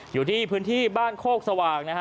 อยู่ที่พื้นที่บ้านโคกสว่างนะฮะ